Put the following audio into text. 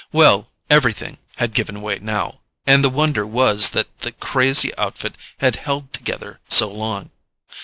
Well—everything had given way now; and the wonder was that the crazy outfit had held together so long.